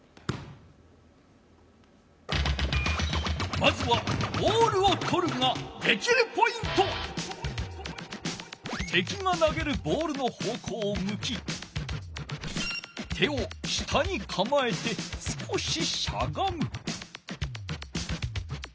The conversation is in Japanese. まずはてきがなげるボールの方こうをむき手を下にかまえて少ししゃがむ。